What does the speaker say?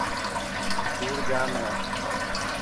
ڌوڙ ڄام هي.